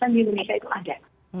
di indonesia itu ada